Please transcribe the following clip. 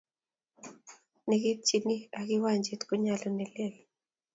Nekitchin ak kiwanjet konyun ne lel